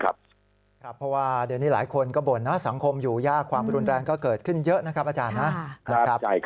เพราะว่าเดือนนี้หลายคนก็บ่นนะสังคมอยู่ยากความรุนแรงก็เกิดขึ้นเยอะนะครับอาจารย์นะครับ